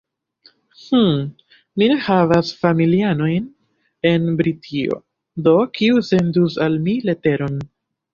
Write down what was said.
"Hm, mi ne havas familianojn en Britio, do kiu sendus al mi leteron?"